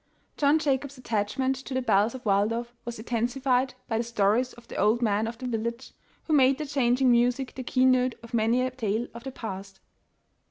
John Jacob's attachment to the beils of Waldorf was intensified by the stories of the old men of the village, who made their clanging music the key note of many a tale of the past.